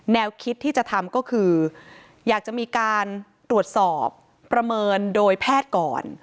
แนวคิดที่จะทำก็คืออยากจะมีการตรวจสอบประเมินโดยแพทย์ก่อน